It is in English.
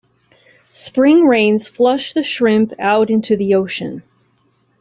Spring rains flush the shrimp out into the ocean.